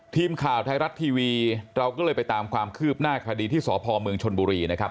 ทีมข่าวไทยรัฐทีวีเราก็เลยไปตามความคืบหน้าคดีที่สพเมืองชนบุรีนะครับ